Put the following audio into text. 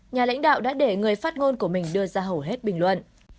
nhà lãnh đạo đã để người phát ngôn của mình đưa ra hầu hết bình luận